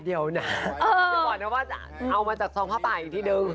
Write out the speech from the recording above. เดี๋ยวนะบอกว่าเอามาจากซองผ้าปากอีกทีดึง